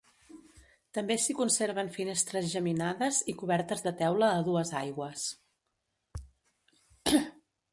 També s'hi conserven finestres geminades i cobertes de teula a dues aigües.